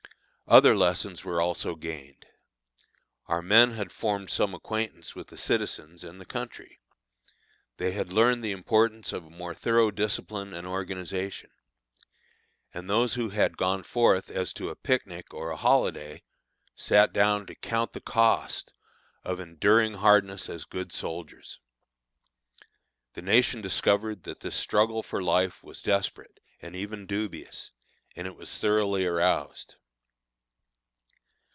Other lessons were also gained: our men had formed some acquaintance with the citizens and the country; they had learned the importance of a more thorough discipline and organization; and those who had gone forth as to a picnic or a holiday, sat down "to count the cost" of "enduring hardness as good soldiers." The nation discovered that this struggle for life was desperate and even dubious, and it was thoroughly aroused.